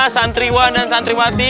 santriwan dan santriwati